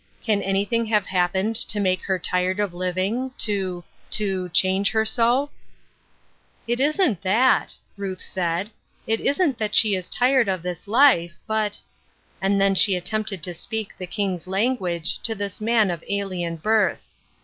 Can anything have happened to make her tired of living ; to, to — change her so ?" "It isn't that," Ruth said; "it isn't that she is tired of this life, but "— and then she attempted to speak the King's language to this man of alien birth.